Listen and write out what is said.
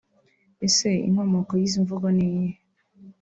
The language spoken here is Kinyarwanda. Ese inkomoko y’izi mvugo ni iyihe